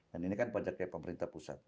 dan ini kan pajaknya pemerintah pusat